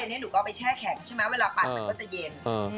อันนี้หนูก็เอาไปแช่แข็งใช่ไหมเวลาปั่นมันก็จะเย็น